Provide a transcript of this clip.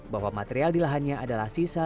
bahwa material di lahannya adalah sisa